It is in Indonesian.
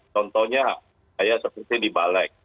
contohnya seperti di balek